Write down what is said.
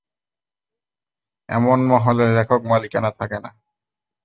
এমন মহলের একক, মালিকানা থাকে না।